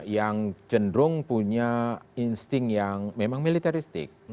yang cenderung punya insting yang memang militaristik